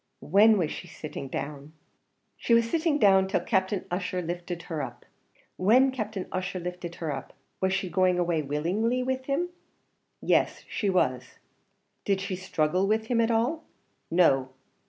"When was she sitting down?" "She was sitting down till Captain Ussher lifted her up." "When Captain Ussher lifted her up, was she going away willingly with him?" "Yes, she was." "Did she struggle with him at all?" "No."